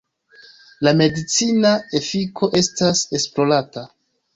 La medicina efiko estas esplorata.